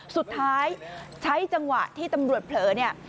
สุดท้ายใช้จังหวะที่ตำรวจเผลอเนี่ย